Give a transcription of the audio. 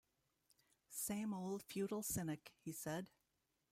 "Same old futile cynic," he said.